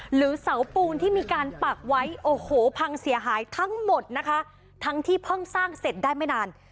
หรือเสาปูนที่มีการปักไว้โอ้โหพังเสียหายทั้งหมดนะคะทั้งที่เพิ่งสร้างเสร็จได้ไม่นาน